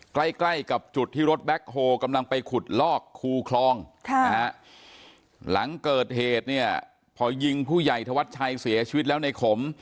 ใกล้ใกล้กับจุดที่รถแบ็คโฮกำลังไปขุดลอกคูคลองหลังเกิดเหตุเนี่ยพอยิงผู้ใหญ่ธวัชชัยเสียชีวิตแล้วในขม